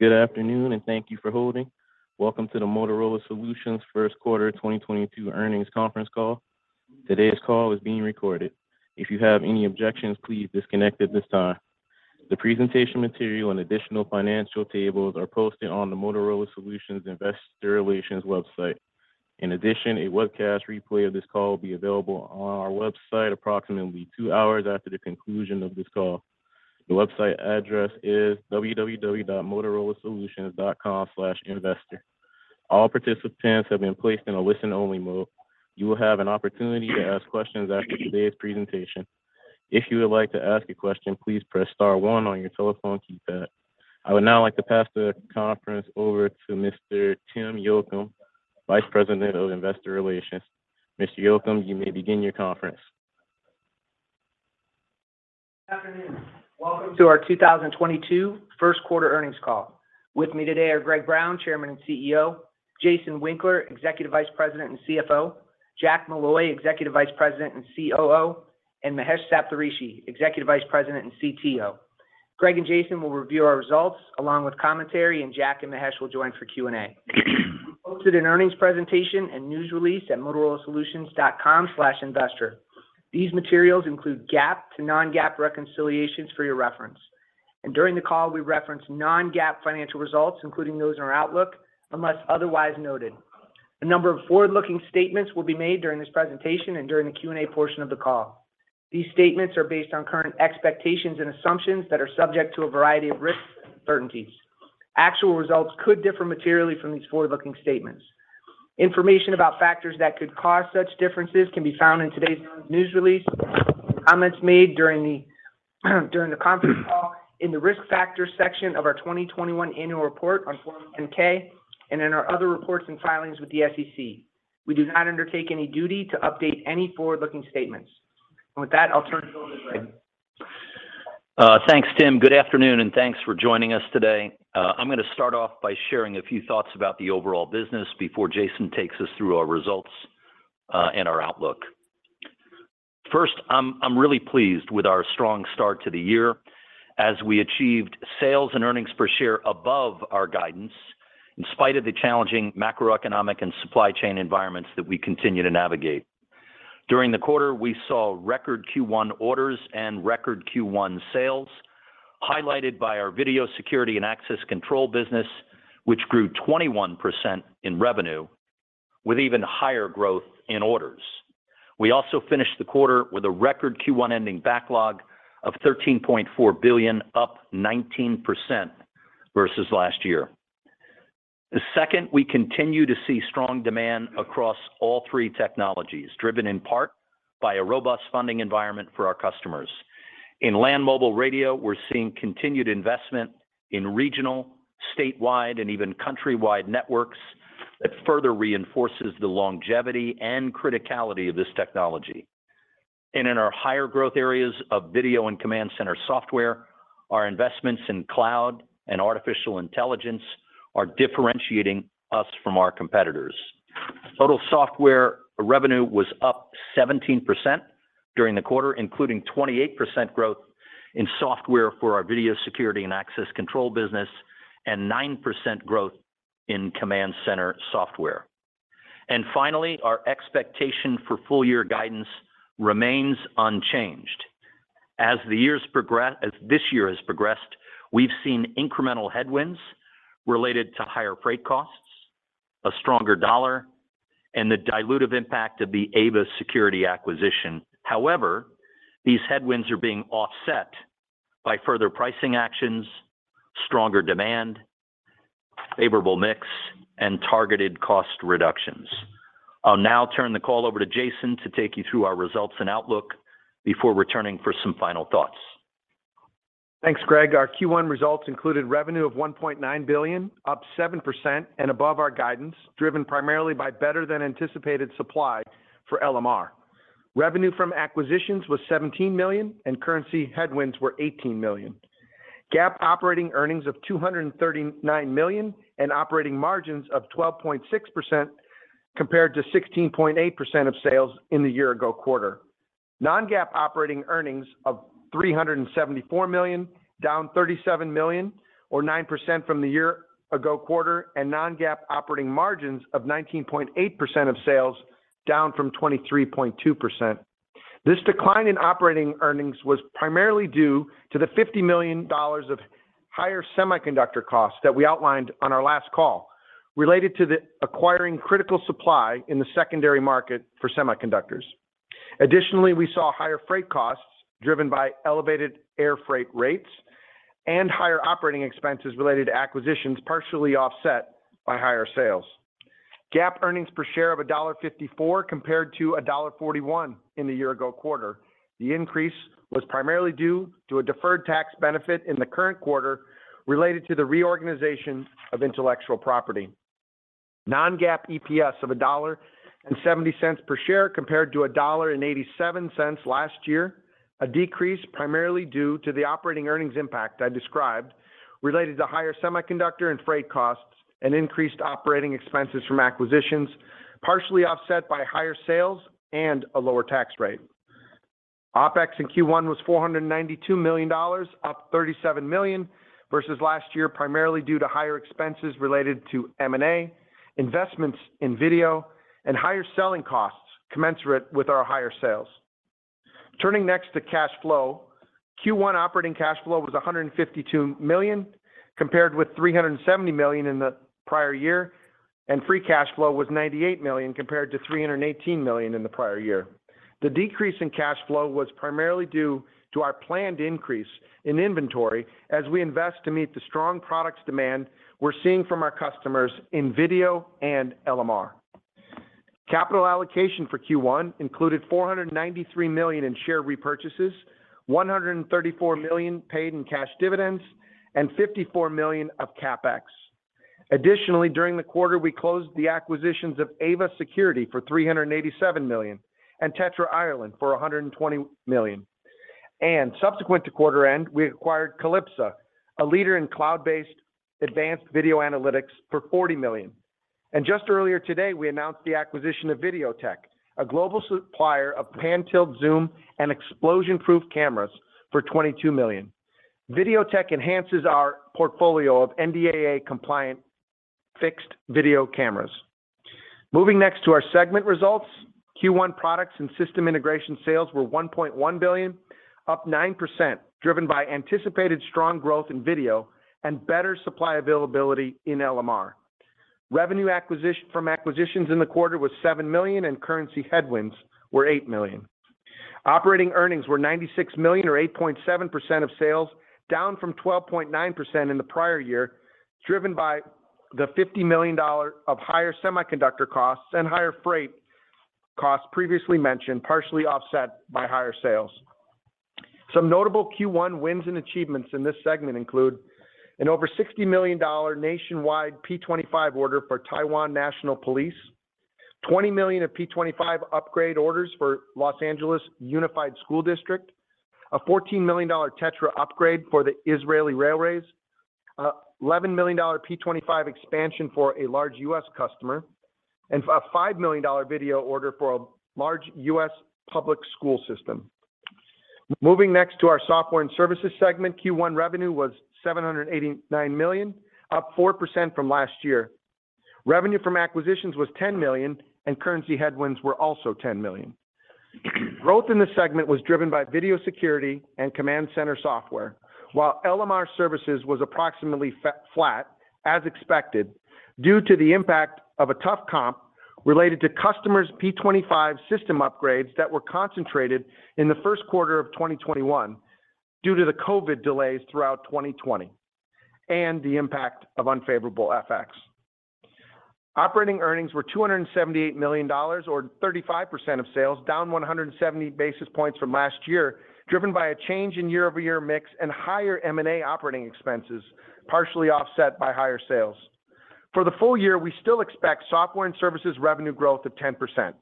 Good afternoon, and thank you for holding. Welcome to the Motorola Solutions first quarter 2022 earnings conference call. Today's call is being recorded. If you have any objections, please disconnect at this time. The presentation material and additional financial tables are posted on the Motorola Solutions investor relations website. In addition, a webcast replay of this call will be available on our website approximately two hours after the conclusion of this call. The website address is www.motorolasolutions.com/investor. All participants have been placed in a listen only mode. You will have an opportunity to ask questions after today's presentation. If you would like to ask a question, please press star one on your telephone keypad. I would now like to pass the conference over to Mr. Tim Yocum, Vice President of Investor Relations. Mr. Yocum, you may begin your conference. Good afternoon. Welcome to our 2022 first quarter earnings call. With me today are Greg Brown, Chairman and CEO, Jason Winkler, Executive Vice President and CFO, Jack Molloy, Executive Vice President and COO, and Mahesh Saptharishi, Executive Vice President and CTO. Greg and Jason will review our results along with commentary, and Jack and Mahesh will join for Q&A. We posted an earnings presentation and news release at motorolasolutions.com/investor. These materials include GAAP to non-GAAP reconciliations for your reference. During the call, we reference non-GAAP financial results, including those in our outlook, unless otherwise noted. A number of forward-looking statements will be made during this presentation and during the Q&A portion of the call. These statements are based on current expectations and assumptions that are subject to a variety of risks and uncertainties. Actual results could differ materially from these forward-looking statements. Information about factors that could cause such differences can be found in today's news release, comments made during the conference call in the Risk Factors section of our 2021 annual report on Form 10-K, and in our other reports and filings with the SEC. We do not undertake any duty to update any forward-looking statements. With that, I'll turn it over to Greg. Thanks, Tim. Good afternoon, and thanks for joining us today. I'm gonna start off by sharing a few thoughts about the overall business before Jason takes us through our results, and our outlook. First, I'm really pleased with our strong start to the year as we achieved sales and earnings per share above our guidance in spite of the challenging macroeconomic and supply chain environments that we continue to navigate. During the quarter, we saw record Q1 orders and record Q1 sales, highlighted by our video security and access control business, which grew 21% in revenue with even higher growth in orders. We also finished the quarter with a record Q1 ending backlog of $13.4 billion, up 19% versus last year. The second, we continue to see strong demand across all three technologies, driven in part by a robust funding environment for our customers. In land mobile radio, we're seeing continued investment in regional, statewide, and even country-wide networks that further reinforces the longevity and criticality of this technology. In our higher growth areas of video and command center software, our investments in cloud and artificial intelligence are differentiating us from our competitors. Total software revenue was up 17% during the quarter, including 28% growth in software for our video security and access control business and 9% growth in command center software. Finally, our expectation for full year guidance remains unchanged. As this year has progressed, we've seen incremental headwinds related to higher freight costs, a stronger dollar, and the dilutive impact of the Ava Security acquisition. However, these headwinds are being offset by further pricing actions, stronger demand, favorable mix, and targeted cost reductions. I'll now turn the call over to Jason to take you through our results and outlook before returning for some final thoughts. Thanks, Greg. Our Q1 results included revenue of $1.9 billion, up 7% and above our guidance, driven primarily by better than anticipated supply for LMR. Revenue from acquisitions was $17 million, and currency headwinds were $18 million. GAAP operating earnings of $239 million and operating margins of 12.6% compared to 16.8% of sales in the year ago quarter. Non-GAAP operating earnings of $374 million, down $37 million or 9% from the year ago quarter, and non-GAAP operating margins of 19.8% of sales, down from 23.2%. This decline in operating earnings was primarily due to the $50 million of higher semiconductor costs that we outlined on our last call, related to the acquiring critical supply in the secondary market for semiconductors. Additionally, we saw higher freight costs driven by elevated air freight rates and higher operating expenses related to acquisitions, partially offset by higher sales. GAAP earnings per share of $1.54 compared to $1.41 in the year-ago quarter. The increase was primarily due to a deferred tax benefit in the current quarter related to the reorganization of intellectual property. Non-GAAP EPS of $1.70 per share compared to $1.87 last year, a decrease primarily due to the operating earnings impact I described related to higher semiconductor and freight costs and increased operating expenses from acquisitions, partially offset by higher sales and a lower tax rate. OpEx in Q1 was $492 million, up $37 million versus last year, primarily due to higher expenses related to M&A, investments in video, and higher selling costs commensurate with our higher sales. Turning next to cash flow. Q1 operating cash flow was $152 million, compared with $370 million in the prior year, and free cash flow was $98 million compared to $318 million in the prior year. The decrease in cash flow was primarily due to our planned increase in inventory as we invest to meet the strong products demand we're seeing from our customers in video and LMR. Capital allocation for Q1 included $493 million in share repurchases, $134 million paid in cash dividends, and $54 million of CapEx. Additionally, during the quarter, we closed the acquisitions of Ava Security for $387 million, and TETRA Ireland for $120 million. Subsequent to quarter end, we acquired Calipsa, a leader in cloud-based advanced video analytics for $40 million. Just earlier today, we announced the acquisition of Videotec, a global supplier of pan tilt zoom and explosion-proof cameras for $22 million. Videotec enhances our portfolio of NDAA-compliant fixed video cameras. Moving next to our segment results. Q1 products and system integration sales were $1.1 billion, up 9%, driven by anticipated strong growth in video and better supply availability in LMR. Revenue accretion from acquisitions in the quarter was $7 million, and currency headwinds were $8 million. Operating earnings were $96 million or 8.7% of sales, down from 12.9% in the prior year, driven by the $50 million of higher semiconductor costs and higher freight costs previously mentioned, partially offset by higher sales. Some notable Q1 wins and achievements in this segment include a nationwide $60 million P-25 order for Taiwan National Police Agency, $20 million of P-25 upgrade orders for Los Angeles Unified School District, a $14 million TETRA upgrade for Israel Railways, an $11 million P-25 expansion for a large US customer, and a $5 million video order for a large US public school system. Moving next to our software and services segment. Q1 revenue was $789 million, up 4% from last year. Revenue from acquisitions was $10 million, and currency headwinds were also $10 million. Growth in this segment was driven by video security and command center software, while LMR services was approximately flat, as expected, due to the impact of a tough comp related to customers' P-25 system upgrades that were concentrated in the first quarter of 2021 due to the COVID delays throughout 2020, and the impact of unfavorable FX. Operating earnings were $278 million or 35% of sales, down 170 basis points from last year, driven by a change in year-over-year mix and higher M&A operating expenses, partially offset by higher sales. For the full year, we still expect software and services revenue growth of 10%,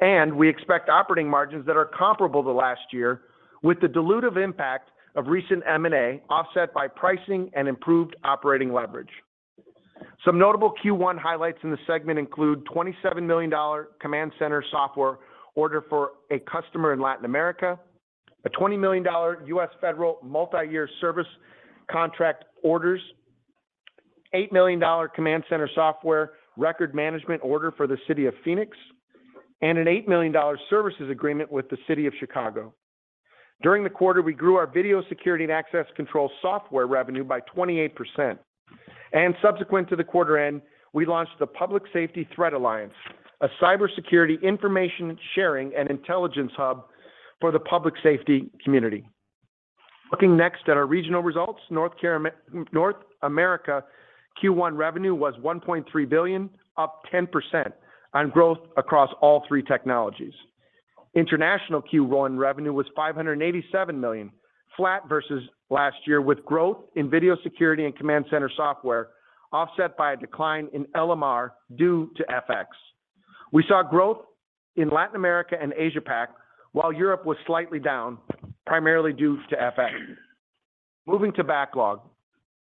and we expect operating margins that are comparable to last year with the dilutive impact of recent M&A offset by pricing and improved operating leverage. Some notable Q1 highlights in the segment include $27 million command center software order for a customer in Latin America, a $20 million U.S. federal multi-year service contract orders, $8 million command center software record management order for the city of Phoenix, and an $8 million services agreement with the city of Chicago. During the quarter, we grew our video security and access control software revenue by 28%. Subsequent to the quarter end, we launched the Public Safety Threat Alliance, a cybersecurity information sharing and intelligence hub for the public safety community. Looking next at our regional results. North America, Q1 revenue was $1.3 billion, up 10% on growth across all three technologies. International Q1 revenue was $587 million, flat versus last year, with growth in video security and command center software offset by a decline in LMR due to FX. We saw growth in Latin America and Asia Pac, while Europe was slightly down, primarily due to FX. Moving to backlog.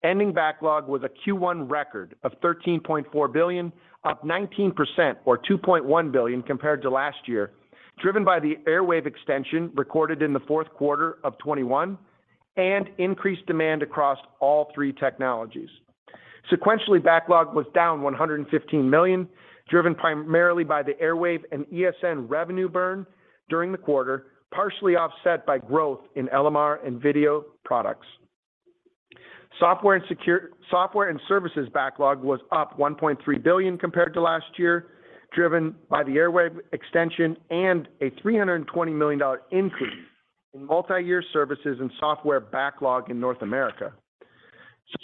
Ending backlog was a Q1 record of $13.4 billion, up 19% or $2.1 billion compared to last year, driven by the Airwave extension recorded in the fourth quarter of 2021 and increased demand across all three technologies. Sequentially, backlog was down $115 million, driven primarily by the Airwave and ESN revenue burn during the quarter, partially offset by growth in LMR and video products. Software and services backlog was up $1.3 billion compared to last year, driven by the Airwave extension and a $320 million increase in multi-year services and software backlog in North America.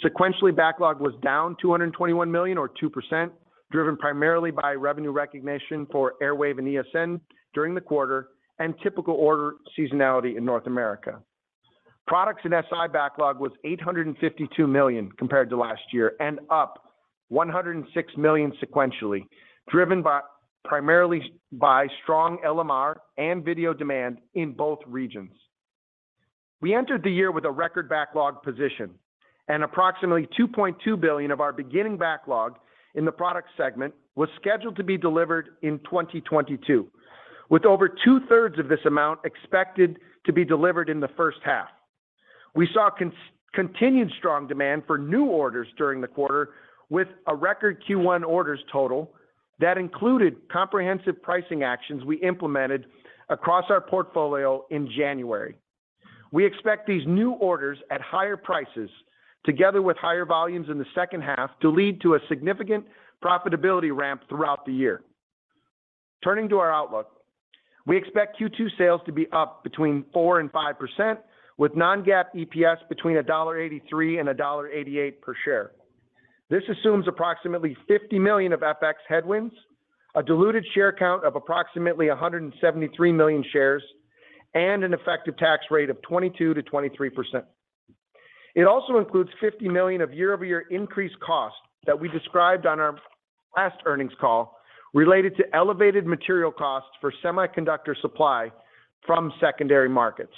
Sequentially, backlog was down $221 million or 2%, driven primarily by revenue recognition for Airwave and ESN during the quarter and typical order seasonality in North America. Products in SI backlog was $852 million compared to last year and up $106 million sequentially, driven primarily by strong LMR and video demand in both regions. We entered the year with a record backlog position, and approximately $2.2 billion of our beginning backlog in the product segment was scheduled to be delivered in 2022, with over two-thirds of this amount expected to be delivered in the first half. We saw continued strong demand for new orders during the quarter with a record Q1 orders total that included comprehensive pricing actions we implemented across our portfolio in January. We expect these new orders at higher prices together with higher volumes in the second half to lead to a significant profitability ramp throughout the year. Turning to our outlook, we expect Q2 sales to be up between 4% and 5% with non-GAAP EPS between $1.83 and $1.88 per share. This assumes approximately $50 million of FX headwinds, a diluted share count of approximately 173 million shares, and an effective tax rate of 22%-23%. It also includes $50 million of year-over-year increased costs that we described on our last earnings call related to elevated material costs for semiconductor supply from secondary markets.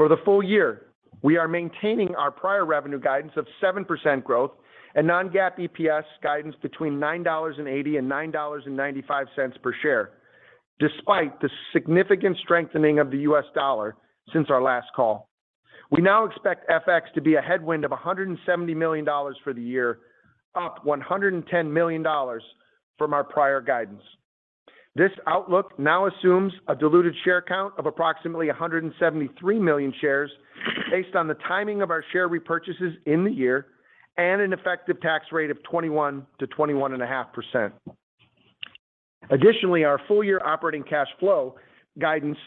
For the full year, we are maintaining our prior revenue guidance of 7% growth and non-GAAP EPS guidance between $9.80 and $9.95 per share, despite the significant strengthening of the U.S. dollar since our last call. We now expect FX to be a headwind of $170 million for the year, up $110 million from our prior guidance. This outlook now assumes a diluted share count of approximately 173 million shares based on the timing of our share repurchases in the year and an effective tax rate of 21%-21.5%. Additionally, our full year operating cash flow guidance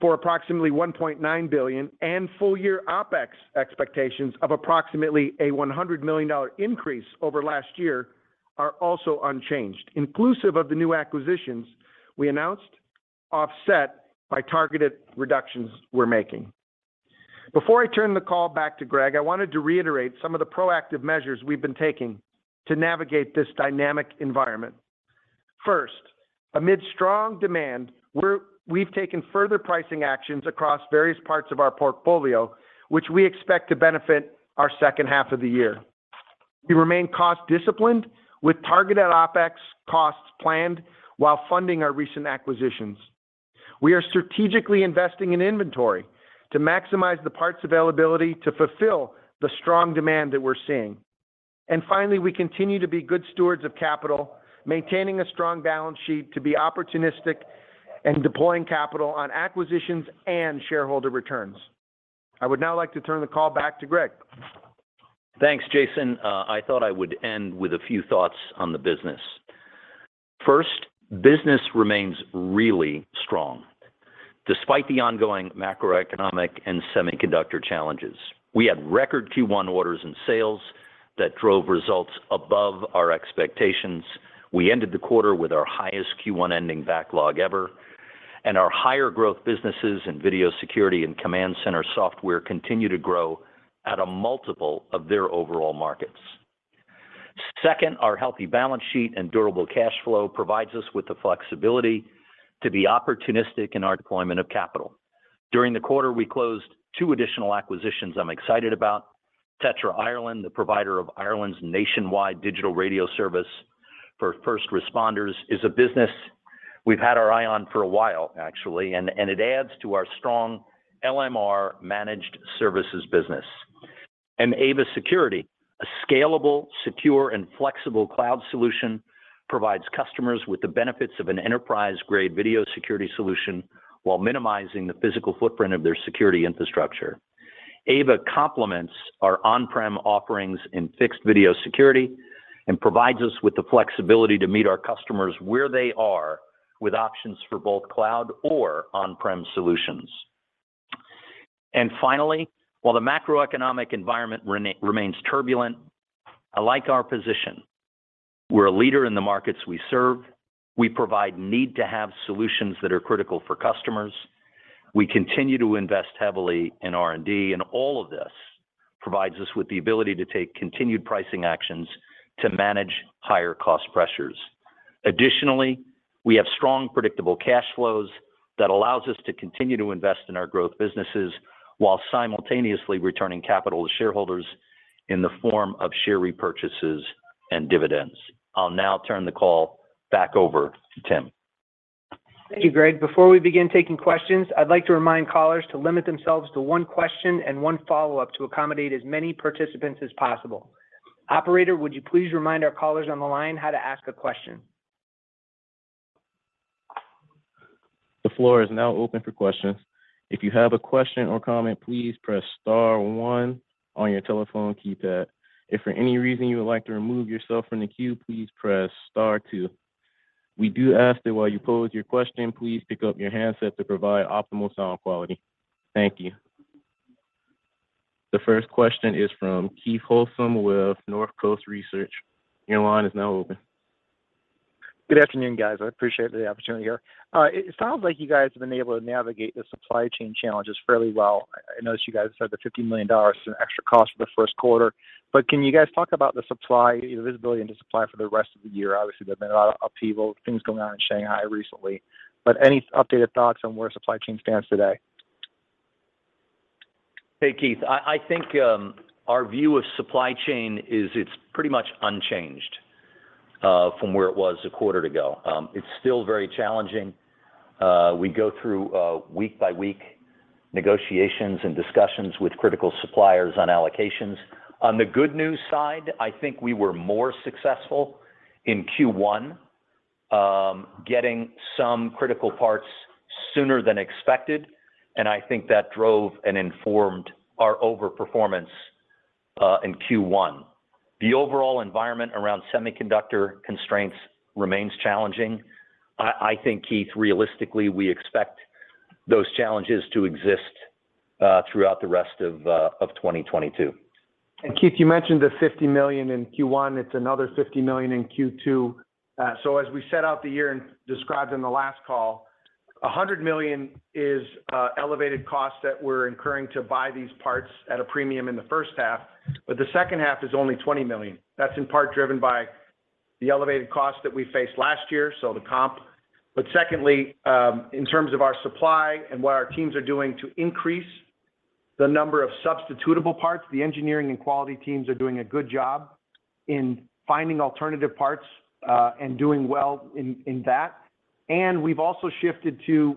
for approximately $1.9 billion and full year OpEx expectations of approximately a $100 million increase over last year are also unchanged, inclusive of the new acquisitions we announced offset by targeted reductions we're making. Before I turn the call back to Greg, I wanted to reiterate some of the proactive measures we've been taking to navigate this dynamic environment. First, amid strong demand, we've taken further pricing actions across various parts of our portfolio, which we expect to benefit our second half of the year. We remain cost disciplined with targeted OpEx costs planned while funding our recent acquisitions. We are strategically investing in inventory to maximize the parts availability to fulfill the strong demand that we're seeing. Finally, we continue to be good stewards of capital, maintaining a strong balance sheet to be opportunistic and deploying capital on acquisitions and shareholder returns. I would now like to turn the call back to Greg. Thanks, Jason. I thought I would end with a few thoughts on the business. First, business remains really strong despite the ongoing macroeconomic and semiconductor challenges. We had record Q1 orders and sales that drove results above our expectations. We ended the quarter with our highest Q1 ending backlog ever, and our higher growth businesses in video security and command center software continue to grow at a multiple of their overall markets. Second, our healthy balance sheet and durable cash flow provides us with the flexibility to be opportunistic in our deployment of capital. During the quarter, we closed two additional acquisitions I'm excited about. TETRA Ireland, the provider of Ireland's nationwide digital radio service for first responders, is a business we've had our eye on for a while, actually, and it adds to our strong LMR managed services business. Ava Security, a scalable, secure, and flexible cloud solution, provides customers with the benefits of an enterprise-grade video security solution while minimizing the physical footprint of their security infrastructure. Ava complements our on-prem offerings in fixed video security and provides us with the flexibility to meet our customers where they are with options for both cloud or on-prem solutions. Finally, while the macroeconomic environment remains turbulent, I like our position. We're a leader in the markets we serve. We provide need-to-have solutions that are critical for customers. We continue to invest heavily in R&D, and all of this provides us with the ability to take continued pricing actions to manage higher cost pressures. Additionally, we have strong, predictable cash flows that allows us to continue to invest in our growth businesses while simultaneously returning capital to shareholders in the form of share repurchases and dividends. I'll now turn the call back over to Tim. Thank you, Greg. Before we begin taking questions, I'd like to remind callers to limit themselves to one question and one follow-up to accommodate as many participants as possible. Operator, would you please remind our callers on the line how to ask a question? The floor is now open for questions. If you have a question or comment, please press star one on your telephone key pad. If for any reason you would like to remove yourself from the queue, please press star two. We do ask that while you pose your question, please pick up your handset to provide optimal sound quality. Thank you. The first question is from Keith Housum with Northcoast Research. Your line is now open. Good afternoon, guys. I appreciate the opportunity here. It sounds like you guys have been able to navigate the supply chain challenges fairly well. I notice you guys said the $50 million is an extra cost for the first quarter. Can you guys talk about the supply visibility into supply for the rest of the year? Obviously, there's been a lot of upheaval, things going on in Shanghai recently. Any updated thoughts on where supply chain stands today? Hey, Keith. I think our view of supply chain is it's pretty much unchanged from where it was a quarter ago. It's still very challenging. We go through week by week negotiations and discussions with critical suppliers on allocations. On the good news side, I think we were more successful in Q1 getting some critical parts sooner than expected, and I think that drove and informed our over-performance in Q1. The overall environment around semiconductor constraints remains challenging. I think, Keith, realistically, we expect those challenges to exist throughout the rest of 2022. Keith, you mentioned the $50 million in Q1. It's another $50 million in Q2. As we set out the year and described in the last call, $100 million is elevated costs that we're incurring to buy these parts at a premium in the first half. The second half is only $20 million. That's in part driven by the elevated costs that we faced last year, the comp. Secondly, in terms of our supply and what our teams are doing to increase the number of substitutable parts, the engineering and quality teams are doing a good job in finding alternative parts and doing well in that. We've also shifted to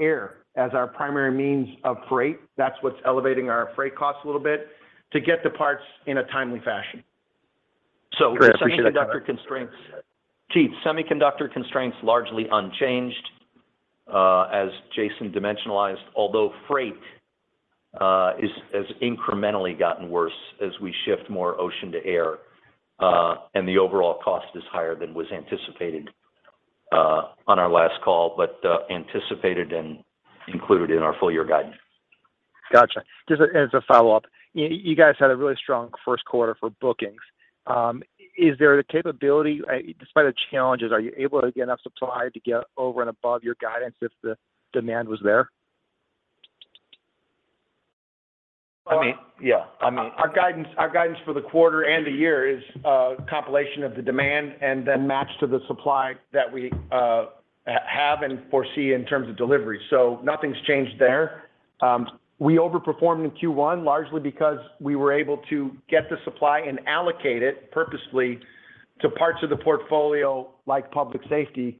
air as our primary means of freight. That's what's elevating our freight costs a little bit, to get the parts in a timely fashion. Great. Appreciate that. Semiconductor constraints. Keith, semiconductor constraints largely unchanged, as Jason dimensionalized. Although freight has incrementally gotten worse as we shift more ocean to air, and the overall cost is higher than was anticipated on our last call, but anticipated and included in our full year guidance. Gotcha. Just as a follow-up, you guys had a really strong first quarter for bookings. Is there the capability, despite the challenges, are you able to get enough supply to get over and above your guidance if the demand was there? I mean, yeah. I mean, our guidance for the quarter and the year is a compilation of the demand and then matched to the supply that we have and foresee in terms of delivery. Nothing's changed there. We overperformed in Q1 largely because we were able to get the supply and allocate it purposely to parts of the portfolio like public safety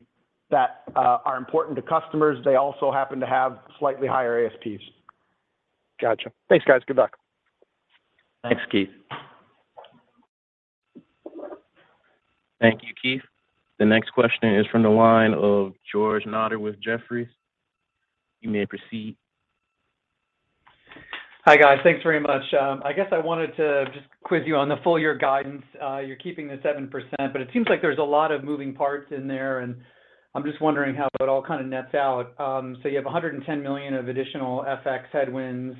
that are important to customers. They also happen to have slightly higher ASPs. Gotcha. Thanks, guys. Good luck. Thanks, Keith. Thank you, Keith. The next question is from the line of George Notter with Jefferies. You may proceed. Hi, guys. Thanks very much. I guess I wanted to just quiz you on the full year guidance. You're keeping the 7%, but it seems like there's a lot of moving parts in there, and I'm just wondering how it all kinda nets out. So you have $110 million of additional FX headwinds.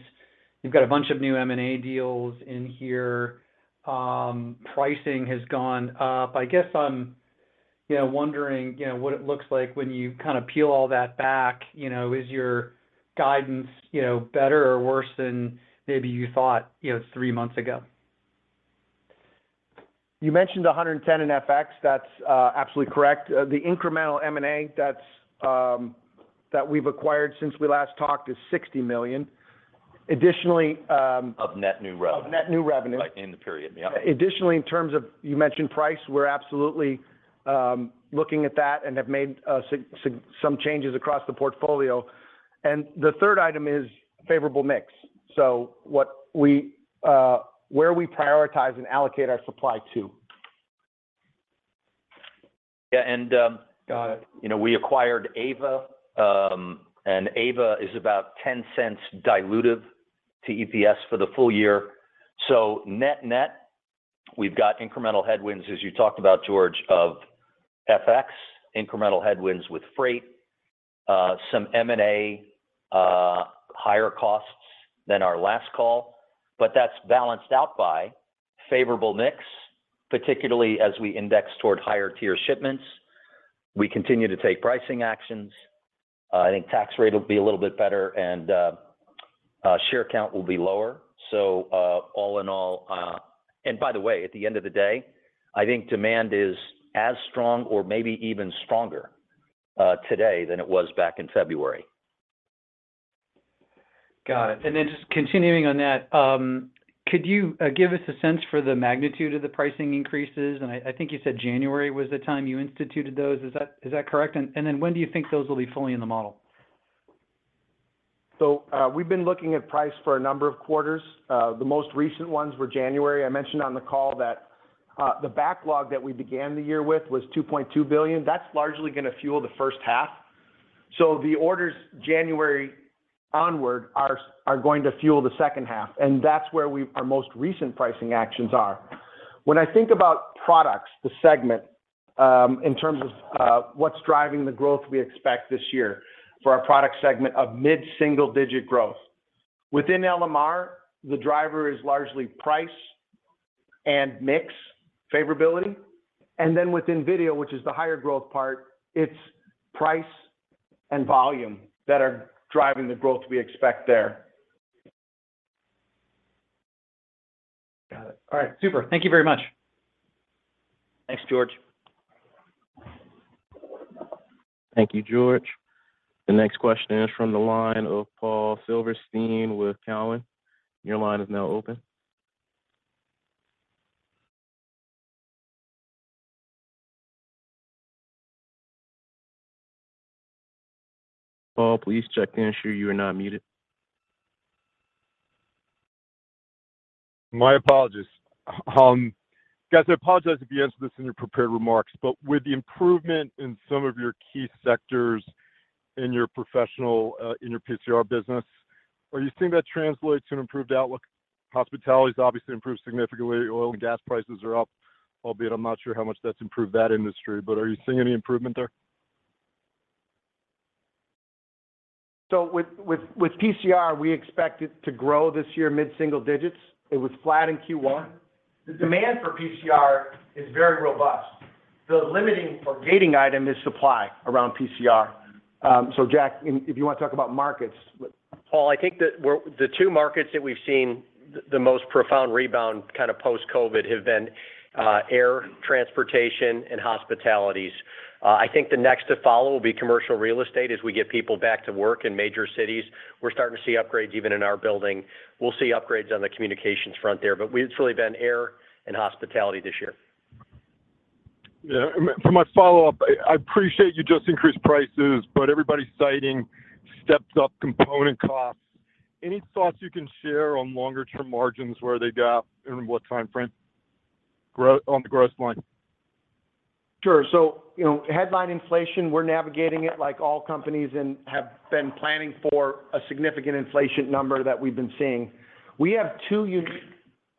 You've got a bunch of new M&A deals in here. Pricing has gone up. I guess I'm, you know, wondering, you know, what it looks like when you kind of peel all that back, you know, is your guidance, you know, better or worse than maybe you thought, you know, three months ago? You mentioned 110 in FX. That's absolutely correct. The incremental M&A that we've acquired since we last talked is $60 million. Additionally, Of net new revenue. of net new revenue. Like, in the period, yeah. Additionally, in terms of you mentioned price, we're absolutely looking at that and have made some changes across the portfolio. The third item is favorable mix. Where we prioritize and allocate our supply to. Yeah, you know, we acquired Ava, and Ava is about $0.10 dilutive to EPS for the full year. Net-net, we've got incremental headwinds, as you talked about, George, of FX, incremental headwinds with freight, some M&A, higher costs than our last call, but that's balanced out by favorable mix, particularly as we index toward higher tier shipments. We continue to take pricing actions. I think tax rate will be a little bit better and share count will be lower. All in all, by the way, at the end of the day, I think demand is as strong or maybe even stronger today than it was back in February. Got it. Just continuing on that, could you give us a sense for the magnitude of the pricing increases? I think you said January was the time you instituted those. Is that correct? When do you think those will be fully in the model? We've been looking at price for a number of quarters. The most recent ones were January. I mentioned on the call that, the backlog that we began the year with was $2.2 billion. That's largely gonna fuel the first half. The orders January onward are going to fuel the second half, and that's where our most recent pricing actions are. When I think about products, the segment, in terms of, what's driving the growth we expect this year for our product segment of mid-single digit growth. Within LMR, the driver is largely price and mix favorability. Within video, which is the higher growth part, it's price and volume that are driving the growth we expect there. Got it. All right, super. Thank you very much. Thanks, George. Thank you, George. The next question is from the line of Paul Silverstein with Cowen. Your line is now open. Paul, please check to ensure you are not muted. My apologies. Guys, I apologize if you answered this in your prepared remarks, but with the improvement in some of your key sectors in your professional, in your PCR business, are you seeing that translate to an improved outlook? Hospitality's obviously improved significantly. Oil and gas prices are up, albeit I'm not sure how much that's improved that industry, but are you seeing any improvement there? With PCR, we expect it to grow mid-single digits% this year. It was flat in Q1. The demand for PCR is very robust. The limiting or gating item is supply around PCR. Jack, if you wanna talk about markets. Paul, I think the two markets that we've seen the most profound rebound kind of post-COVID have been air transportation and hospitality. I think the next to follow will be commercial real estate as we get people back to work in major cities. We're starting to see upgrades even in our building. We'll see upgrades on the communications front there, but it's really been air and hospitality this year. Yeah. For my follow-up, I appreciate you just increased prices, but everybody's citing stepped up component costs. Any thoughts you can share on longer term margins, where they gap, in what timeframe grow on the gross line? Sure. You know, headline inflation, we're navigating it like all companies and have been planning for a significant inflation number that we've been seeing. We have two unique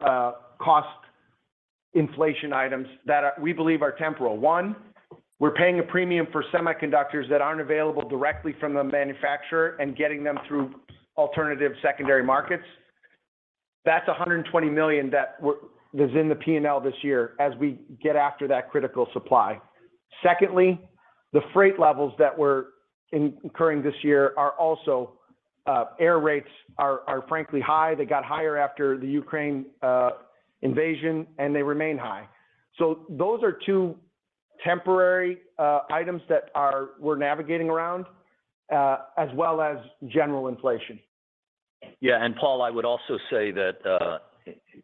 cost inflation items that we believe are temporary. One, we're paying a premium for semiconductors that aren't available directly from the manufacturer and getting them through alternative secondary markets. That's $120 million that was in the P&L this year as we get after that critical supply. Secondly, the freight levels that we're incurring this year are also high. Air rates are frankly high. They got higher after the Ukraine invasion, and they remain high. Those are two temporary items that we're navigating around as well as general inflation. Yeah. Paul, I would also say that,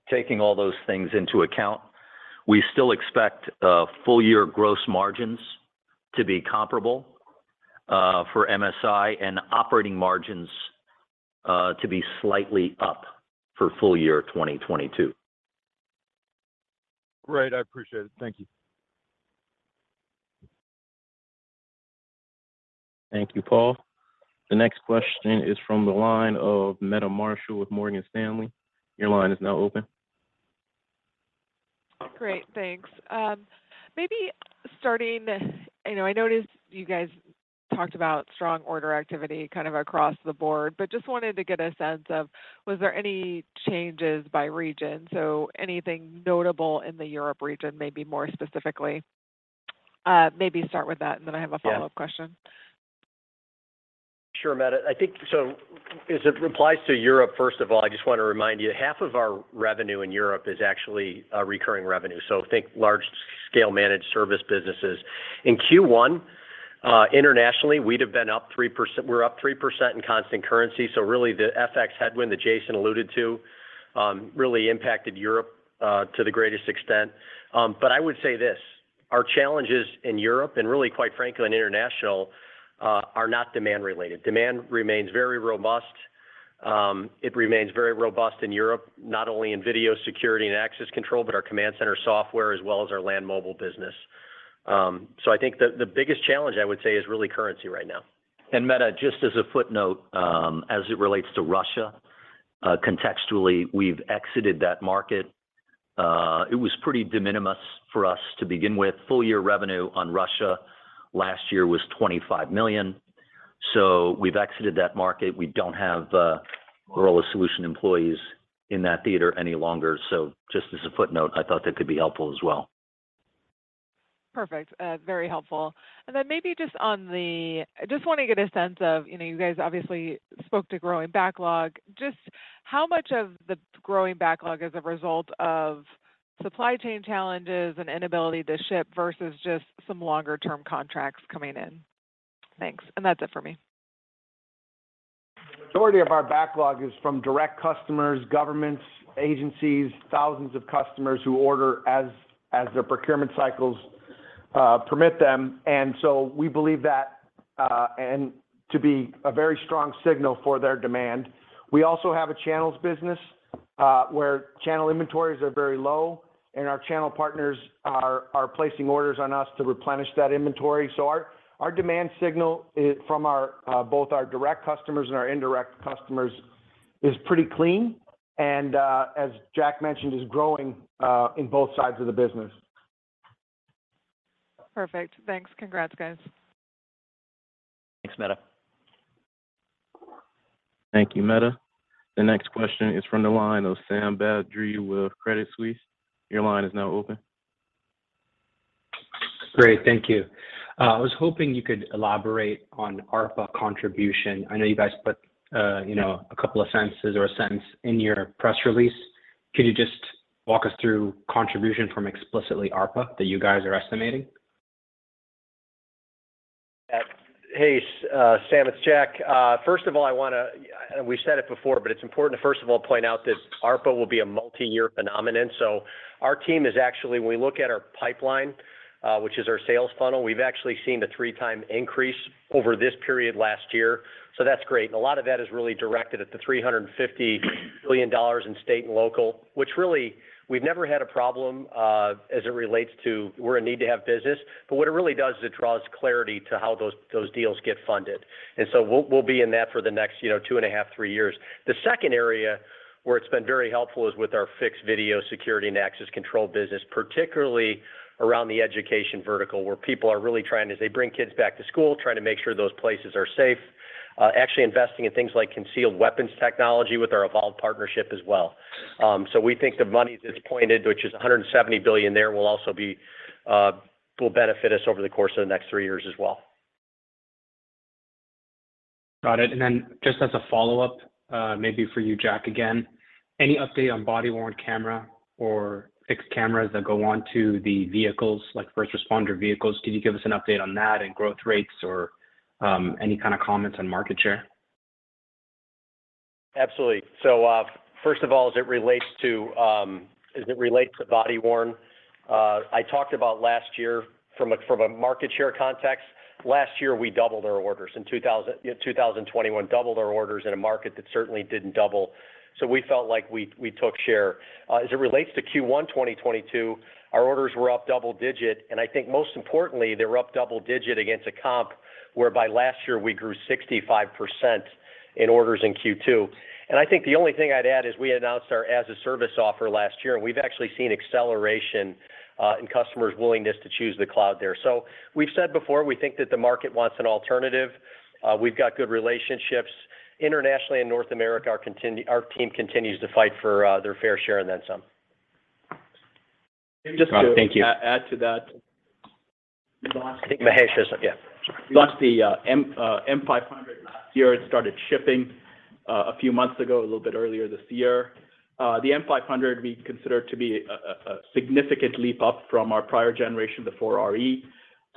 taking all those things into account, we still expect full year gross margins to be comparable for MSI and operating margins to be slightly up for full year 2022. Great. I appreciate it. Thank you. Thank you, Paul. The next question is from the line of Meta Marshall with Morgan Stanley. Your line is now open. Great. Thanks. Maybe starting, you know, I noticed you guys talked about strong order activity kind of across the board, but just wanted to get a sense of was there any changes by region, so anything notable in the Europe region, maybe more specifically? Maybe start with that, and then I have a follow-up question. Sure, Meta. I think so as it applies to Europe, first of all. I just wanna remind you, half of our revenue in Europe is actually recurring revenue, so think large scale managed service businesses. In Q1, internationally, we're up 3% in constant currency, so really the FX headwind that Jason alluded to really impacted Europe to the greatest extent. I would say this, our challenges in Europe and really quite frankly in international are not demand related. Demand remains very robust. It remains very robust in Europe, not only in video security and access control, but our command center software as well as our land mobile business. I think the biggest challenge I would say is really currency right now. Meta, just as a footnote, as it relates to Russia, contextually, we've exited that market. It was pretty de minimis for us to begin with. Full-year revenue on Russia last year was $25 million. We've exited that market. We don't have Motorola Solutions employees in that theater any longer. Just as a footnote, I thought that could be helpful as well. Perfect. Very helpful. Maybe just on the I just wanna get a sense of, you know, you guys obviously spoke to growing backlog. Just how much of the growing backlog is a result of supply chain challenges and inability to ship versus just some longer term contracts coming in? Thanks. That's it for me. The majority of our backlog is from direct customers, governments, agencies, thousands of customers who order as their procurement cycles permit them. We believe that to be a very strong signal for their demand. We also have a channels business where channel inventories are very low, and our channel partners are placing orders on us to replenish that inventory. Our demand signal is from both our direct customers and our indirect customers is pretty clean and, as Jack mentioned, is growing in both sides of the business. Perfect. Thanks. Congrats, guys. Thanks, Meta. Thank you, Meta. The next question is from the line of Sami Badri with Credit Suisse. Your line is now open. Great. Thank you. I was hoping you could elaborate on ARPA contribution. I know you guys put, you know, a couple of sentences or a sentence in your press release. Can you just walk us through contribution from explicitly ARPA that you guys are estimating? Hey, Sam, it's Jack. First of all, we've said it before, but it's important to first of all point out that ARPA will be a multi-year phenomenon. Our team is actually, when we look at our pipeline, which is our sales funnel, we've actually seen a 3x increase over this period last year. That's great. A lot of that is really directed at the $350 billion in state and local, which really we've never had a problem, as it relates to we're a need to have business, but what it really does is it draws clarity to how those deals get funded. We'll be in that for the next, you know, 2.5 to three years. The second area where it's been very helpful is with our fixed video security and access control business, particularly around the education vertical, where people are really trying to, as they bring kids back to school, trying to make sure those places are safe, actually investing in things like concealed weapons technology with our Evolv partnership as well. We think the money that's pointed, which is $170 billion there, will benefit us over the course of the next three years as well. Got it. Just as a follow-up, maybe for you, Jack, again, any update on body-worn camera or fixed cameras that go onto the vehicles, like first responder vehicles? Can you give us an update on that and growth rates or, any kinda comments on market share? Absolutely. First of all, as it relates to body-worn, I talked about last year from a market share context, last year we doubled our orders. In 2021, you know, doubled our orders in a market that certainly didn't double. We felt like we took share. As it relates to Q1 2022, our orders were up double-digit, and I think most importantly, they were up double-digit against a comp whereby last year we grew 65% in orders in Q2. I think the only thing I'd add is we announced our as-a-service offer last year, and we've actually seen acceleration in customers' willingness to choose the cloud there. We've said before, we think that the market wants an alternative. We've got good relationships internationally. In North America, our team continues to fight for their fair share and then some. Thank you. Just to add to that. I think Mahesh has. Yeah. We launched the M500 last year. It started shipping a few months ago, a little bit earlier this year. The M500 we consider to be a significant leap up from our prior generation, the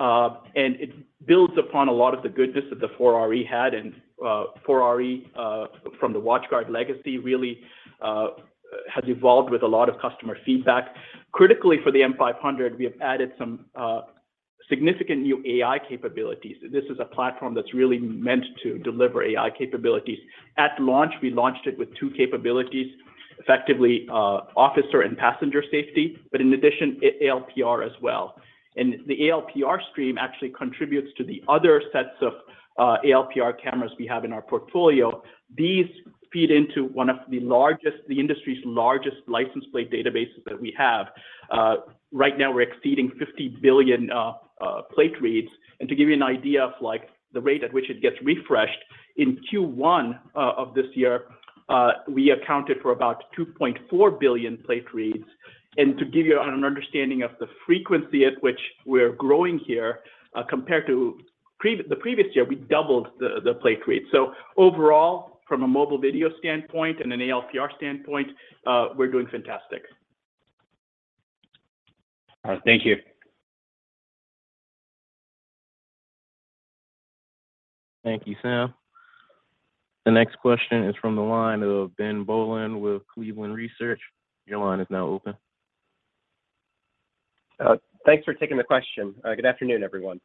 4RE. It builds upon a lot of the goodness that the 4RE had. The 4RE from the WatchGuard legacy really has evolved with a lot of customer feedback. Critically for the M500, we have added some significant new AI capabilities. This is a platform that's really meant to deliver AI capabilities. At launch, we launched it with two capabilities, effectively, officer and passenger safety, but in addition, ALPR as well. The ALPR stream actually contributes to the other sets of ALPR cameras we have in our portfolio. These feed into one of the largest, the industry's largest license plate databases that we have. Right now we're exceeding 50 billion plate reads. To give you an idea of like the rate at which it gets refreshed, in Q1 of this year, we accounted for about 2.4 billion plate reads. To give you an understanding of the frequency at which we're growing here, compared to the previous year, we doubled the plate reads. Overall, from a mobile video standpoint and an ALPR standpoint, we're doing fantastic. All right. Thank you. Thank you, Sam. The next question is from the line of Ben Bollin with Cleveland Research. Your line is now open. Thanks for taking the question. Good afternoon, everyone.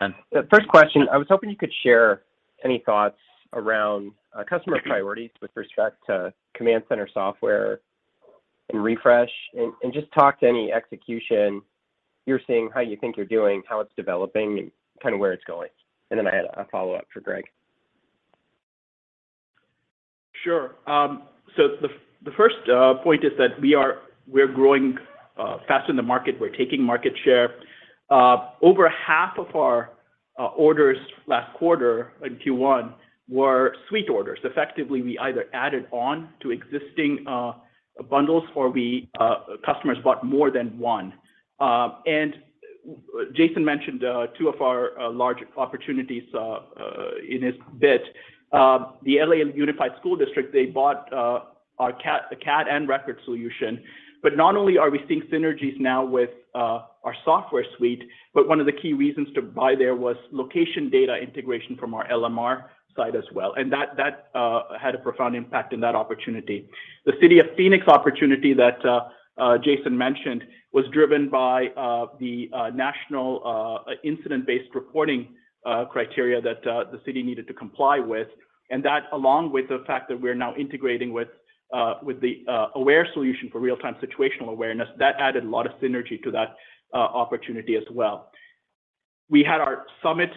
Ben. The first question, I was hoping you could share any thoughts around customer priorities with respect to command center software and refresh, and just talk to any execution you're seeing, how you think you're doing, how it's developing, kind of where it's going. I had a follow-up for Greg. Sure. The first point is that we are growing faster than the market. We're taking market share. Over half of our orders last quarter in Q1 were suite orders. Effectively, we either added on to existing bundles or customers bought more than one. Jason mentioned two of our large opportunities in his bit. The Los Angeles Unified School District, they bought our CAD and record solution. Not only are we seeing synergies now with our software suite, but one of the key reasons to buy there was location data integration from our LMR side as well, and that had a profound impact in that opportunity. The City of Phoenix opportunity that Jason mentioned was driven by the national incident-based reporting criteria that the city needed to comply with, and that along with the fact that we're now integrating with the Aware solution for real-time situational awareness, that added a lot of synergy to that opportunity as well. We had our summit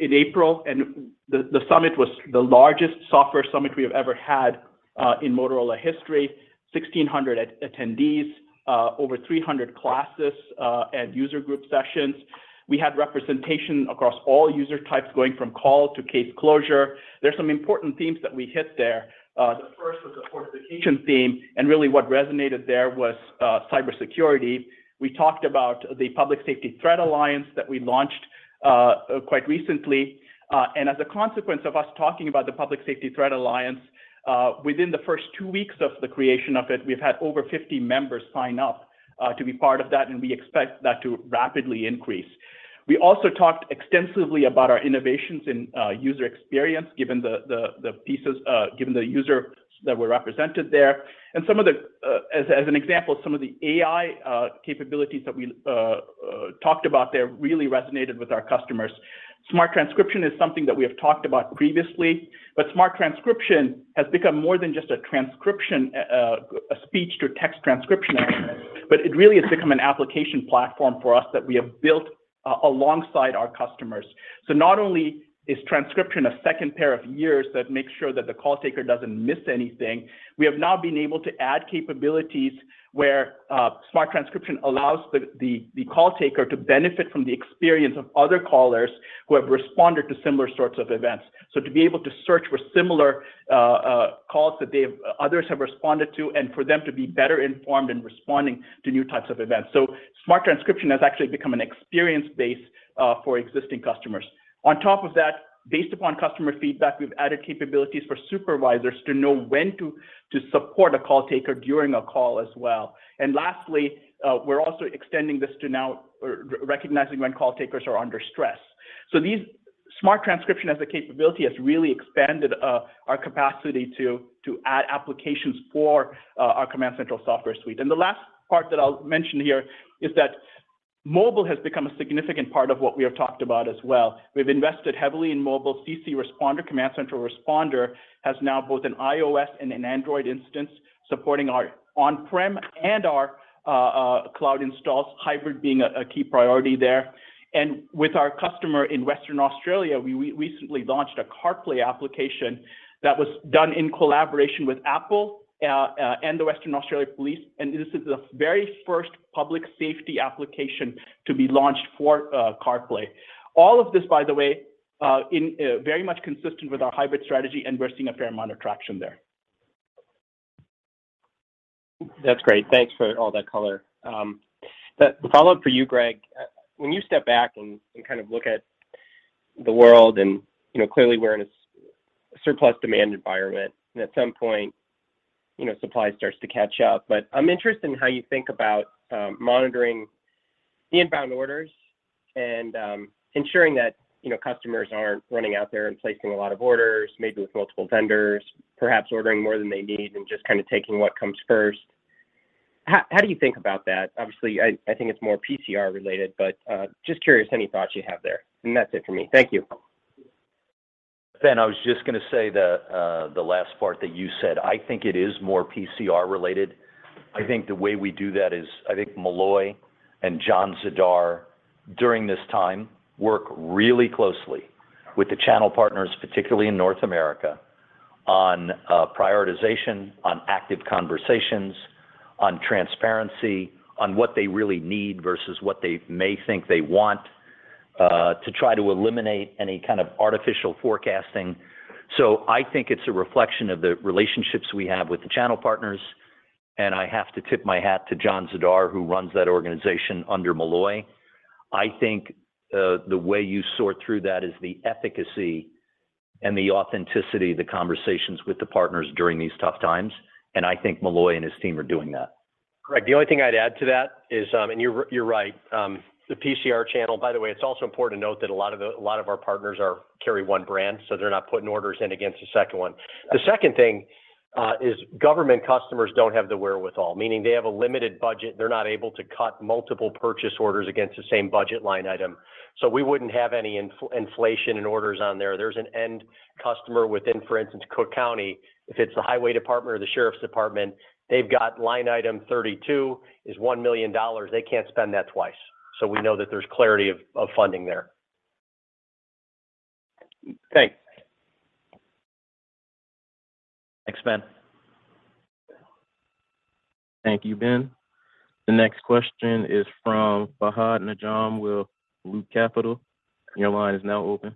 in April, and the summit was the largest software summit we have ever had in Motorola history. 1,600 attendees, over 300 classes, and user group sessions. We had representation across all user types, going from call to case closure. There's some important themes that we hit there. The first was the fortification theme, and really what resonated there was cybersecurity. We talked about the Public Safety Threat Alliance that we launched quite recently. As a consequence of us talking about the Public Safety Threat Alliance, within the first two weeks of the creation of it, we've had over 50 members sign up to be part of that, and we expect that to rapidly increase. We also talked extensively about our innovations in user experience, given the user that were represented there. Some of the, as an example, some of the AI capabilities that we talked about there really resonated with our customers. Smart Transcription is something that we have talked about previously, but Smart Transcription has become more than just a transcription, a speech-to-text transcription engine, but it really has become an application platform for us that we have built alongside our customers. Not only is transcription a second pair of ears that makes sure that the call taker doesn't miss anything, we have now been able to add capabilities where Smart Transcription allows the call taker to benefit from the experience of other callers who have responded to similar sorts of events. To be able to search for similar calls that others have responded to, and for them to be better informed in responding to new types of events. Smart Transcription has actually become an experience base for existing customers. On top of that, based upon customer feedback, we've added capabilities for supervisors to know when to support a call taker during a call as well. Lastly, we're also extending this to now recognizing when call takers are under stress. These Smart Transcription as a capability has really expanded our capacity to add applications for our CommandCentral software suite. The last part that I'll mention here is that mobile has become a significant part of what we have talked about as well. We've invested heavily in mobile CommandCentral Responder. CommandCentral Responder has now both an iOS and an Android instance supporting our on-prem and our cloud installs, hybrid being a key priority there. With our customer in Western Australia, we recently launched a CarPlay application that was done in collaboration with Apple and the Western Australia Police, and this is the very first public safety application to be launched for CarPlay. All of this, by the way, very much consistent with our hybrid strategy, and we're seeing a fair amount of traction there. That's great. Thanks for all that color. The follow-up for you, Greg, when you step back and kind of look at the world, and you know, clearly we're in a surplus demand environment, and at some point, you know, supply starts to catch up. But I'm interested in how you think about monitoring the inbound orders and ensuring that, you know, customers aren't running out there and placing a lot of orders, maybe with multiple vendors, perhaps ordering more than they need and just kind of taking what comes first. How do you think about that? Obviously, I think it's more PCR related, but just curious any thoughts you have there. That's it for me. Thank you. Ben Bollin, I was just gonna say the last part that you said. I think it is more PCR related. I think the way we do that is, I think Malloy and John Zidar during this time work really closely with the channel partners, particularly in North America, on prioritization, on active conversations, on transparency, on what they really need versus what they may think they want, to try to eliminate any kind of artificial forecasting. I think it's a reflection of the relationships we have with the channel partners, and I have to tip my hat to John Zidar, who runs that organization under Malloy. I think the way you sort through that is the efficacy and the authenticity of the conversations with the partners during these tough times, and I think Malloy and his team are doing that. Greg, the only thing I'd add to that is you're right, the PCR channel. By the way, it's also important to note that a lot of our partners carry one brand, so they're not putting orders in against a second one. The second thing is government customers don't have the wherewithal, meaning they have a limited budget. They're not able to cut multiple purchase orders against the same budget line item. So we wouldn't have any inflation in orders on there. There's an end customer within, for instance, Cook County. If it's the highway department or the sheriff's department, they've got line item 32 is $1 million. They can't spend that twice. So we know that there's clarity of funding there. Thanks. Thanks, Ben. Thank you, Ben. The next question is from Fahad Najam with MKM Partners. Your line is now open.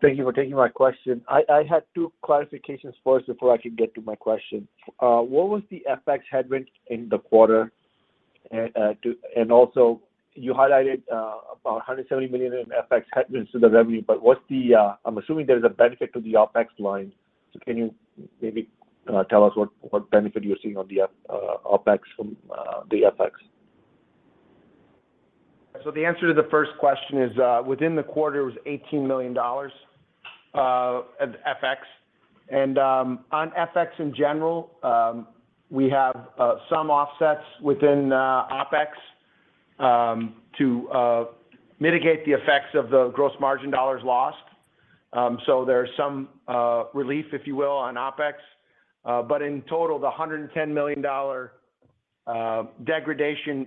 Thank you for taking my question. I had two clarifications first before I could get to my question. What was the FX headwind in the quarter? And also you highlighted about $170 million in FX headwinds to the revenue, but what's the. I'm assuming there is a benefit to the OpEx line. Can you maybe tell us what benefit you're seeing on the OpEx from the FX? The answer to the first question is, within the quarter, it was $18 million of FX. On FX in general, we have some offsets within OpEx to mitigate the effects of the gross margin dollars lost. There's some relief, if you will, on OpEx. In total, the $110 million degradation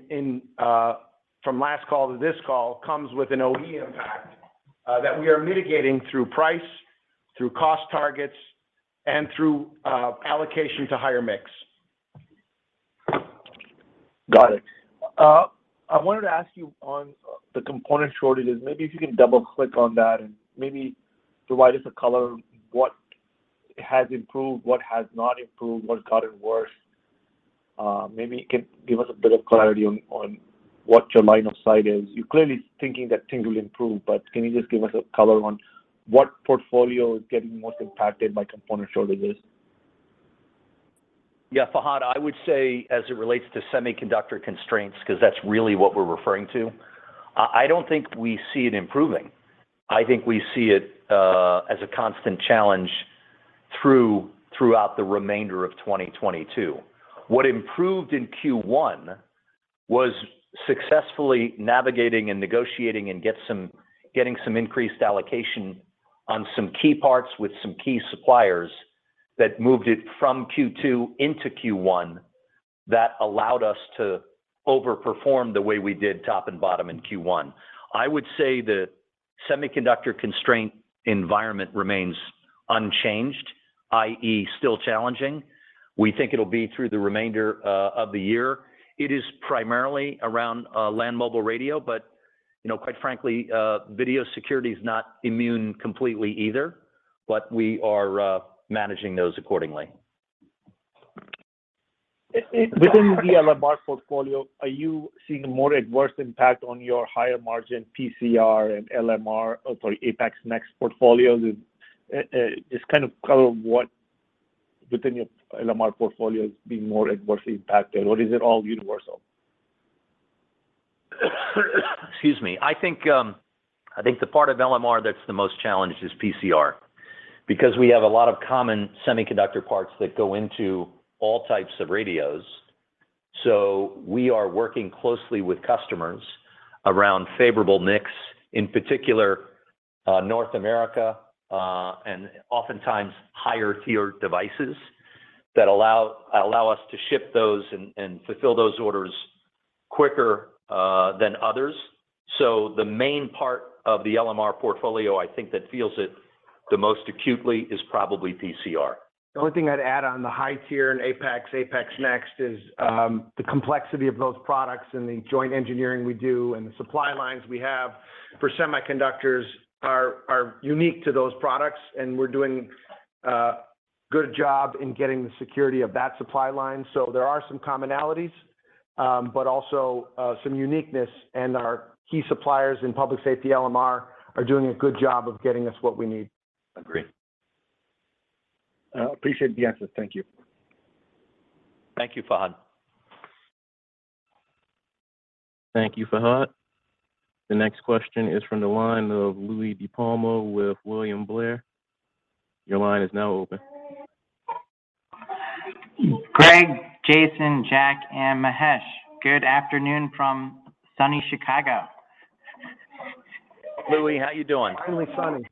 from last call to this call comes with an OE impact that we are mitigating through price, through cost targets, and through allocation to higher mix. Got it. I wanted to ask you on the component shortages, maybe if you can double-click on that and maybe provide us a color, what has improved, what has not improved, what's gotten worse? Maybe you can give us a bit of clarity on what your line of sight is. You're clearly thinking that things will improve, but can you just give us a color on what portfolio is getting most impacted by component shortages? Yeah. Fahad, I would say as it relates to semiconductor constraints, 'cause that's really what we're referring to, I don't think we see it improving. I think we see it as a constant challenge throughout the remainder of 2022. What improved in Q1 was successfully navigating and negotiating and getting some increased allocation on some key parts with some key suppliers that moved it from Q2 into Q1 that allowed us to overperform the way we did top and bottom in Q1. I would say the semiconductor constraint environment remains unchanged, i.e., still challenging. We think it'll be through the remainder of the year. It is primarily around land mobile radio, but, you know, quite frankly, video security is not immune completely either, but we are managing those accordingly. Within the LMR portfolio, are you seeing a more adverse impact on your higher margin PCR and APX NEXT portfolios? Is kind of color on what within your LMR portfolio is being more adversely impacted or is it all universal? Excuse me. I think the part of LMR that's the most challenged is PCR because we have a lot of common semiconductor parts that go into all types of radios. We are working closely with customers around favorable mix, in particular, North America, and oftentimes higher tier devices that allow us to ship those and fulfill those orders quicker than others. The main part of the LMR portfolio, I think that feels it the most acutely is probably PCR. The only thing I'd add on the high tier and APX NEXT is the complexity of those products and the joint engineering we do and the supply lines we have for semiconductors are unique to those products, and we're doing a good job in getting the security of that supply line. So there are some commonalities, but also some uniqueness. Our key suppliers in public safety LMR are doing a good job of getting us what we need. Agree. Appreciate the answer. Thank you. Thank you, Fahad. Thank you, Fahad. The next question is from the line of Louie DiPalma with William Blair. Your line is now open. Greg, Jason, Jack, and Mahesh, good afternoon from sunny Chicago. Louis, how you doing? Finally sunny.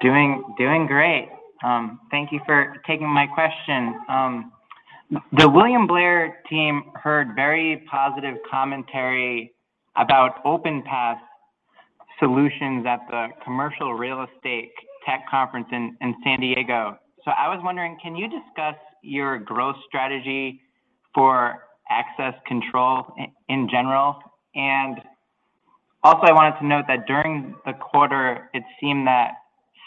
Doing great. Thank you for taking my question. The William Blair team heard very positive commentary about Openpath solutions at the commercial real estate tech conference in San Diego. I was wondering, can you discuss your growth strategy for access control in general? Also I wanted to note that during the quarter it seemed that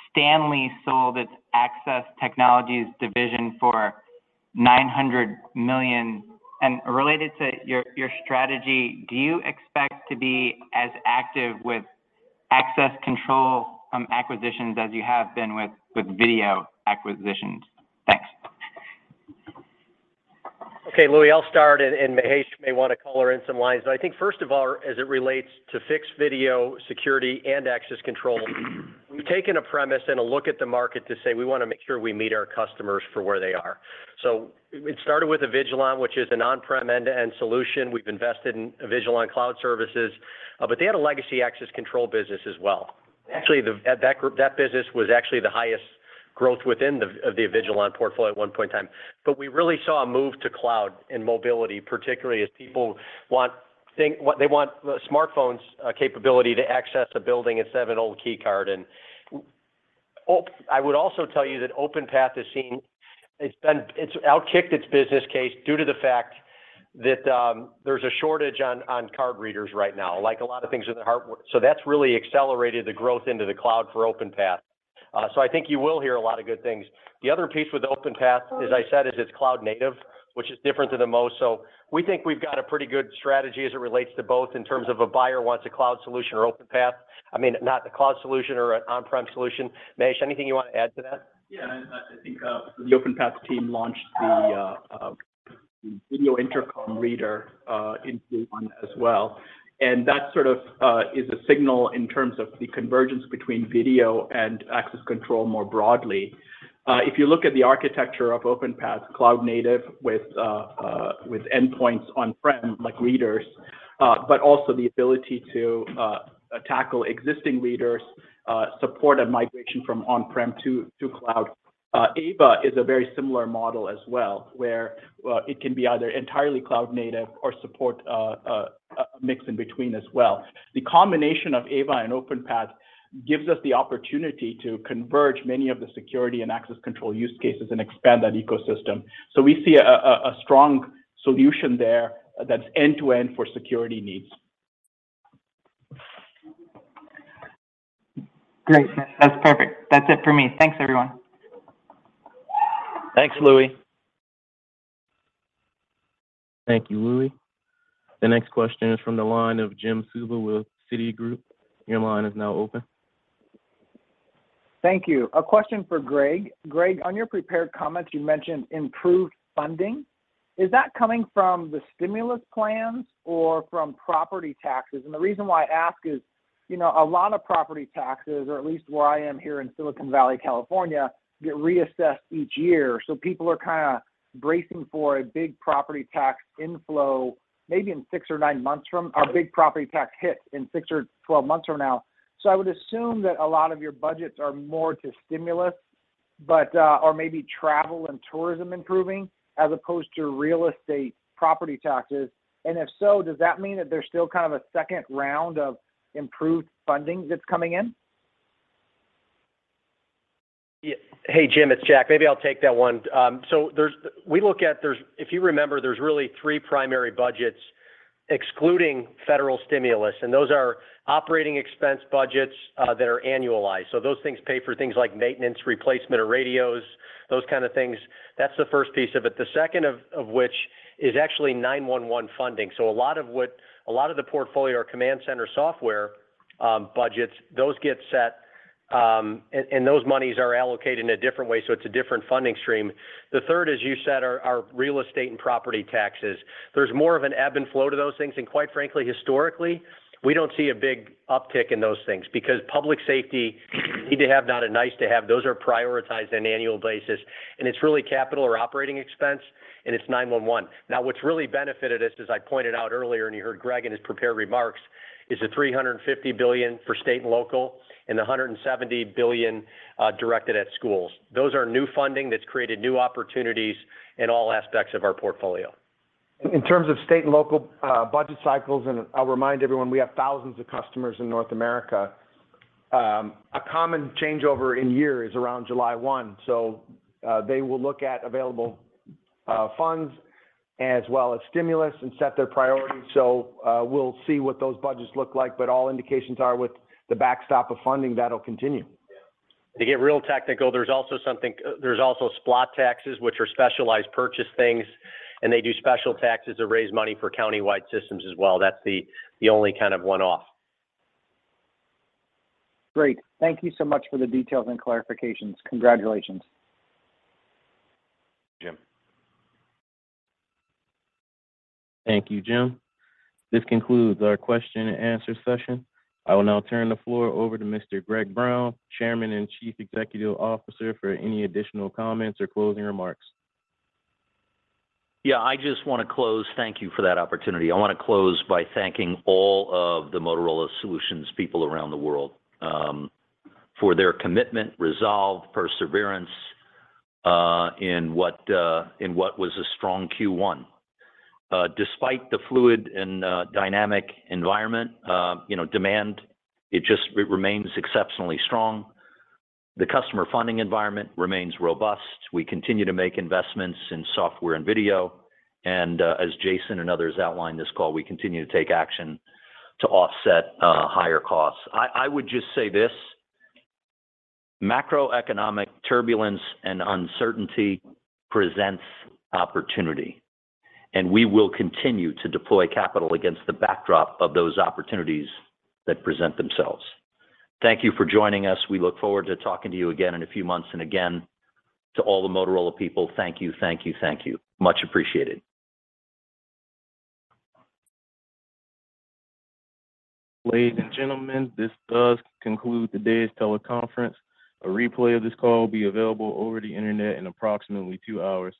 Stanley sold its access technologies division for $900 million. Related to your strategy, do you expect to be as active with access control acquisitions as you have been with video acquisitions? Thanks. Okay, Louie. I'll start, and Mahesh may want to color in some lines. I think first of all, as it relates to fixed video security and access control, we've taken a premise and a look at the market to say, we wanna make sure we meet our customers for where they are. It started with Avigilon, which is an on-prem end-to-end solution. We've invested in Avigilon Cloud Services. They had a legacy access control business as well. Actually, that group, that business was actually the highest growth within the Avigilon portfolio at one point in time. We really saw a move to cloud and mobility, particularly as people want what they want the smartphone's capability to access a building instead of an old key card. I would also tell you that Openpath has seen. It's outkicked its business case due to the fact that there's a shortage on card readers right now, like a lot of things with the hardware. That's really accelerated the growth into the cloud for Openpath. I think you will hear a lot of good things. The other piece with Openpath, as I said, is it's cloud native, which is different than most. We think we've got a pretty good strategy as it relates to both in terms of a buyer wants a cloud solution or Openpath. I mean, not the cloud solution or an on-prem solution. Mahesh, anything you want to add to that? Yeah. I think the Openpath team launched the video intercom reader in Q1 as well, and that sort of is a signal in terms of the convergence between video and access control more broadly. If you look at the architecture of Openpath's cloud native with endpoints on-prem, like readers, but also the ability to tackle existing readers, support a migration from on-prem to cloud. Ava is a very similar model as well, where it can be either entirely cloud native or support a mix in between as well. The combination of Ava and Openpath gives us the opportunity to converge many of the security and access control use cases and expand that ecosystem. We see a strong solution there that's end-to-end for security needs. Great. That's perfect. That's it for me. Thanks, everyone. Thanks, Louie. Thank you, Louie. The next question is from the line of Jim Suva with Citigroup. Your line is now open. Thank you. A question for Greg. Greg, on your prepared comments, you mentioned improved funding. Is that coming from the stimulus plans or from property taxes? The reason why I ask is, you know, a lot of property taxes, or at least where I am here in Silicon Valley, California, get reassessed each year. People are kinda bracing for a big property tax inflow maybe in six or nine months. A big property tax hit in six or 12 months from now. I would assume that a lot of your budgets are more to stimulus, but or maybe travel and tourism improving as opposed to real estate property taxes. If so, does that mean that there's still kind of a second round of improved funding that's coming in? Yeah. Hey, Jim, it's Jack. Maybe I'll take that one. If you remember, there's really three primary budgets excluding federal stimulus, and those are operating expense budgets that are annualized. Those things pay for things like maintenance, replacement of radios, those kind of things. That's the first piece of it. The second of which is actually 9-1-1 funding. A lot of the portfolio or command center software budgets, those get set, and those monies are allocated in a different way, so it's a different funding stream. The third, as you said, are real estate and property taxes. There's more of an ebb and flow to those things, and quite frankly, historically, we don't see a big uptick in those things because public safety need to have not a nice to have. Those are prioritized on an annual basis, and it's really capital or operating expense, and it's 911. Now, what's really benefited us, as I pointed out earlier, and you heard Greg in his prepared remarks, is the $350 billion for state and local and the $170 billion directed at schools. Those are new funding that's created new opportunities in all aspects of our portfolio. In terms of state and local budget cycles, and I'll remind everyone, we have thousands of customers in North America, a common changeover in a year is around July 1. They will look at available funds as well as stimulus and set their priorities. We'll see what those budgets look like, but all indications are with the backstop of funding, that'll continue. To get real technical, there's also SPLOST taxes, which are specialized purchase things, and they do special taxes to raise money for countywide systems as well. That's the only kind of one-off. Great. Thank you so much for the details and clarifications. Congratulations. Jim. Thank you, Jim. This concludes our question and answer session. I will now turn the floor over to Mr. Greg Brown, Chairman and Chief Executive Officer, for any additional comments or closing remarks. Yeah, I just wanna close. Thank you for that opportunity. I wanna close by thanking all of the Motorola Solutions people around the world, for their commitment, resolve, perseverance, in what was a strong Q1. Despite the fluid and dynamic environment, you know, demand, it just remains exceptionally strong. The customer funding environment remains robust. We continue to make investments in software and video. As Jason and others outlined this call, we continue to take action to offset higher costs. I would just say this: macroeconomic turbulence and uncertainty presents opportunity, and we will continue to deploy capital against the backdrop of those opportunities that present themselves. Thank you for joining us. We look forward to talking to you again in a few months. Again, to all the Motorola people, thank you, thank you, thank you. Much appreciated. Ladies and gentlemen, this does conclude today's teleconference. A replay of this call will be available over the internet in approximately two hours.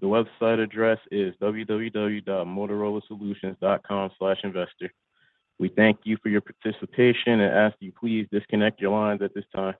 The website address is www.motorolasolutions.com/investor. We thank you for your participation and ask you please disconnect your lines at this time.